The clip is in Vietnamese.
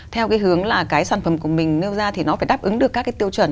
theo cái hướng là cái sản phẩm của mình nêu ra thì nó phải đáp ứng được các cái tiêu chuẩn